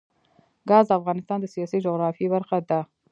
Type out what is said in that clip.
ګاز د افغانستان د سیاسي جغرافیه برخه ده.